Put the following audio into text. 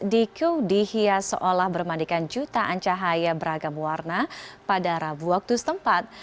diku dihias seolah bermandikan jutaan cahaya beragam warna pada rabu waktu setempat